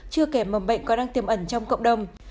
chưa kể mầm bệnh có đang tiêm ẩn trong cộng đồng